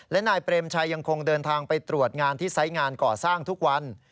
และนายเปรมชัยยังคงเดินทางไปตรวจงานที่ไซส์งานก่อสร้างทุกวัน